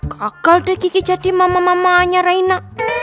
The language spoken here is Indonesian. kagal deh kiki jadi mama mamanya rina